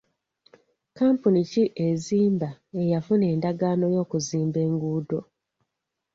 Kampuni ki ezimba eyafuna endagaano y'okuzimba enguudo?